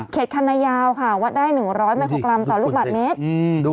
คันนายาวค่ะวัดได้๑๐๐ไมโครกรัมต่อลูกบาทเมตร